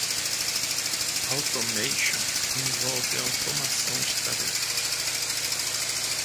Automation envolve a automação de tarefas.